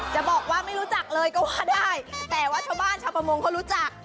จะบอกว่าไม่รู้จักเลยก็ว่าได้แต่ว่าชาวบ้านชาวประมงเขารู้จัก